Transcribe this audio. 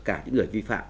cả những người ghi phạm